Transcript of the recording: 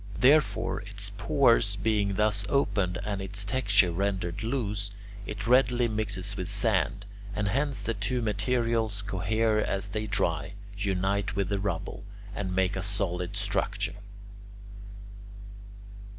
Therefore, its pores being thus opened and its texture rendered loose, it readily mixes with sand, and hence the two materials cohere as they dry, unite with the rubble, and make a solid structure.